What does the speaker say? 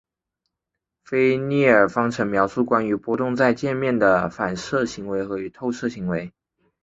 菲涅耳方程描述关于波动在界面的反射行为与透射行为。